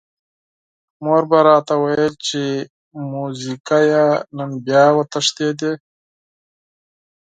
مور به راته ویل چې موزیګیه نن بیا وتښتېدې.